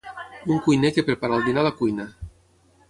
Un cuiner que prepara el dinar a la cuina.